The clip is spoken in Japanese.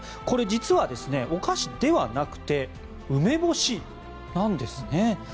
これ、実は、お菓子ではなくて梅干しなんですね。